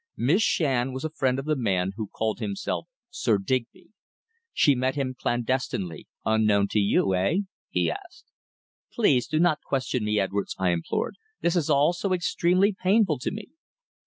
"Miss Shand was a friend of the man who called himself Sir Digby. She met him clandestinely, unknown, to you eh?" he asked. "Please do not question me, Edwards," I implored. "This is all so extremely painful to me."